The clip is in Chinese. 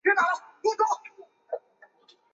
长期照护的提供服务形式可分为常规与非常规。